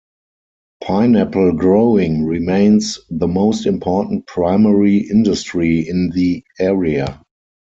Pineapple growing remains the most important primary industry in the area.